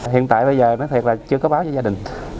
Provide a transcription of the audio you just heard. hiện tại bây giờ nói thật là chưa có báo cho gia đình